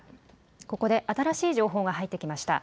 ここで新しい情報が入ってきました。